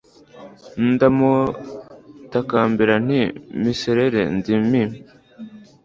Ndamutakambira nti Miserere di me